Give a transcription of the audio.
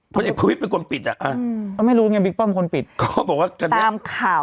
พลเอกประวิทย์เป็นคนปิดอ่ะอืมก็ไม่รู้ไงบิ๊กป้อมคนปิดเขาบอกว่าตามข่าว